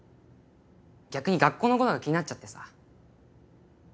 逆に学校の事が気になっちゃってさ。